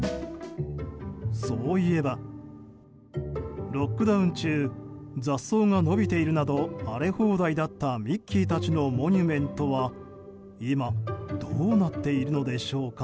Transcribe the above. そういえば、ロックダウン中雑草が伸びているなど荒れ放題だったミッキーたちのモニュメントは今どうなっているのでしょうか。